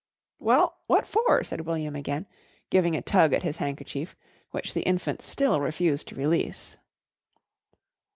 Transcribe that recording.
"Well, what for?" said William again, giving a tug at his handkerchief, which the infant still refused to release.